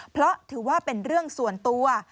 เพราะถือว่าเป็นเรื่องส่วนตัว